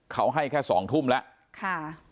เขาให้แค่ตั้งแต่๒ทุ่ม